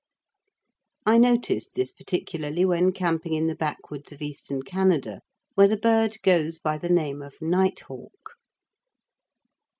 I noticed this particularly when camping in the backwoods of Eastern Canada where the bird goes by the name of nighthawk.